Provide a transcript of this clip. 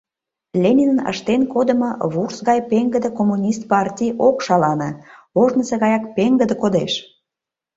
Ленинын ыштен кодымо, вурс гай пеҥгыде Коммунист партий ок шалане, ожнысо гаяк пеҥгыде кодеш.